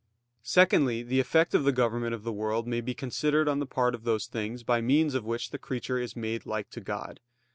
Secondly, the effect of the government of the world may be considered on the part of those things by means of which the creature is made like to God.